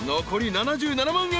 ［残り７７万